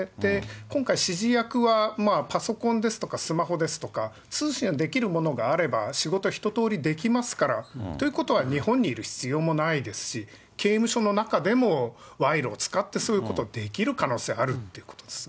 今回、指示役は、パソコンですとかスマホですとか、通信ができるものがあれば、仕事一通りできますから、ということは、日本にいる必要もないですし、刑務所の中でも、賄賂を使って、そういうことができる可能性があるってことですね。